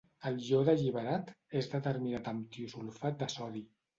El iode alliberat és determinat amb tiosulfat de sodi.